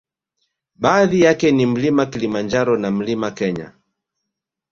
Baadhi yake ni mlima kilimanjaro na mlima Kenya